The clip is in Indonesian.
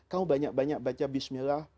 kamu banyak banyak baca bismillah